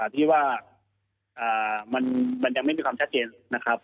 ที่ว่ามันยังไม่มีความชัดเจนนะครับ